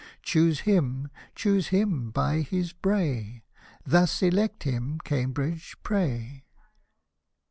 Choose him, choose him by his bray, Thus elect him, Cambridge, pray.